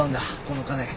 この金。